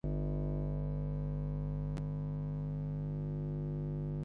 竹外桃花三两枝，春江水暖鸭先知。